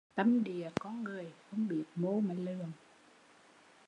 Tâm địa con người không biết mô mà lường